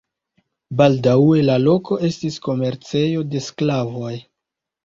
Baldaŭe la loko estis komercejo de sklavoj.